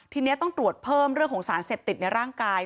ทีนี้ต้องตรวจเพิ่มเรื่องของสารเสพติดในร่างกาย